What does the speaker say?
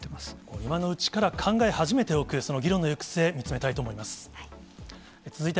今のうちから考え始めておく、その議論の行く末、見つめたいと思います。